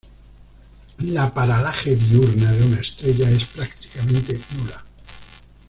La paralaje diurna de una estrella es prácticamente nula.